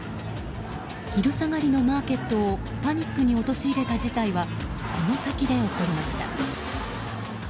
昼下がりのマーケットをパニックに陥れた事態はこの先で起こりました。